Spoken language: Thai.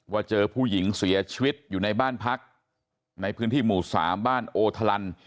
เจอผู้หญิงเสียชีวิตอยู่ในบ้านพักในพื้นที่หมู่๓บ้านโอทะลัน